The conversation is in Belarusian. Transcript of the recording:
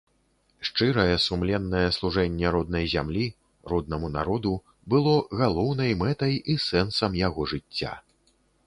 Шчырае, сумленнае служэнне роднай зямлі, роднаму народу было галоўнай мэтай і сэнсам яго жыцця.